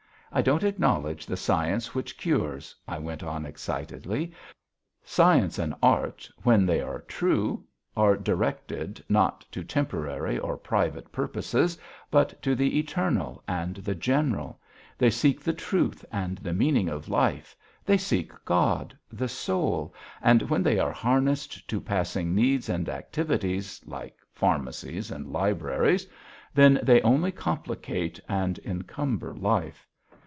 I don't acknowledge the science which cures," I went on excitedly. "Science and art, when they are true, are directed not to temporary or private purposes, but to the eternal and the general they seek the truth and the meaning of life, they seek God, the soul, and when they are harnessed to passing needs and activities, like pharmacies and libraries, then they only complicate and encumber life.